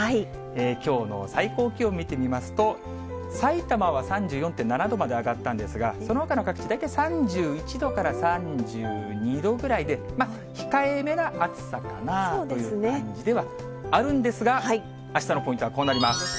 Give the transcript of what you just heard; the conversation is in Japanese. きょうの最高気温見てみますと、さいたまは３４．７度まで上がったんですが、そのほかの各地、大体３１度から３２度ぐらいで、控えめな暑さかなという感じではあるんですが、あしたのポイントはこうなります。